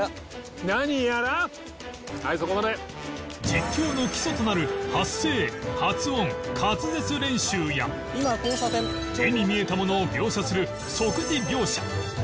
実況の基礎となる発声・発音・滑舌練習や目に見えたものを描写する即時描写